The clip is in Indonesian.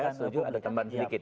saya setuju ada tambahan sedikit